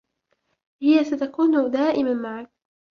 هي ستكون دائماً معك.